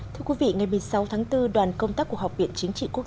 thưa quý vị ngày một mươi sáu tháng bốn đoàn công tác của học viện chính trị quốc